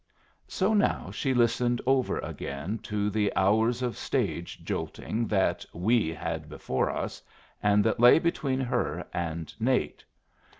So now she listened over again to the hours of stage jolting that "we" had before us, and that lay between her and Nate.